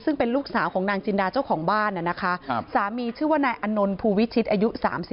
ซึ่งเป็นลูกสาวของนางจินดาเจ้าของบ้านนะคะสามีชื่อว่านายอนนท์ภูวิชิตอายุ๓๒